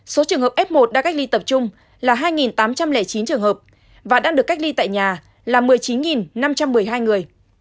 số trường hợp f một đang cách ly tập trung là hai tám trăm linh chín trường hợp và đang được cách ly tại nhà là một mươi chín năm trăm một mươi hai người